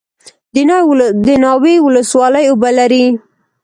د ناوې ولسوالۍ اوبه لري